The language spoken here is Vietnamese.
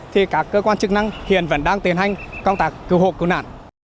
thì các cơ quan chức năng hiện vẫn đang tiến hành công tác cứu hộ cứu nạn